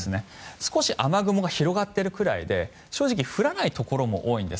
少し雨雲が広がっているぐらいで正直、降らないところも多いんです。